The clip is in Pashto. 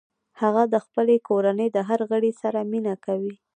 هغه د خپلې کورنۍ د هر غړي سره مینه کوي